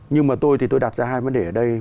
nhưng mà tôi thì tôi đặt ra hai vấn đề ở đây